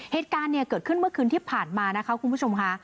เหตุการณ์เนี่ยเกิดขึ้นเมื่อคืนที่ผ่านมานะคะคุณผู้ชมค่ะ